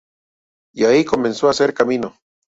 Y ahí comenzó a hacer camino.